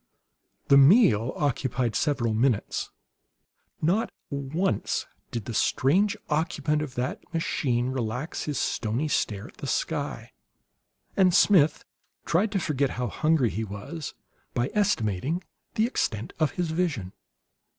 The meal occupied several minutes. Not once did the strange occupant of that machine relax his stony stare at the sky, and Smith tried to forget how hungry he was by estimating the extent of his vision.